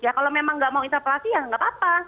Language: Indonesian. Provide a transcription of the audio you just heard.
ya kalau memang nggak mau interpelasi ya nggak apa apa